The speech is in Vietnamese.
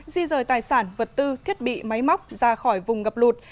di rời tài sản vật tư thiết bị máy móc ra khỏi vùng ngập lụt